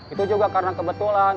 itu juga karena kebetulan